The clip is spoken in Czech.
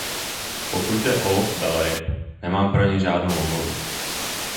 Pokud jde o lov velryb, nemám pro něj žádnou omluvu.